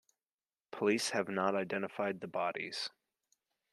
Police have not identified the bodies.